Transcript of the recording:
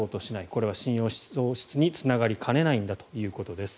これは信用喪失につながりかねないんだということです。